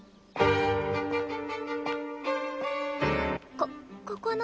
こここの。